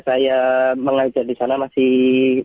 saya mengajar di sana masih